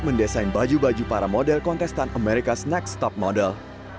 mereka mendesain baju baju para model kontestan amerika's next top model